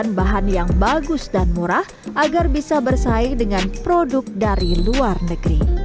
dan diperlukan bahan yang bagus dan murah agar bisa bersaing dengan produk dari luar negeri